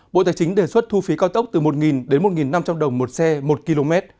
bộ tài chính đề xuất thu phí cao tốc từ một đến một năm trăm linh đồng một xe một km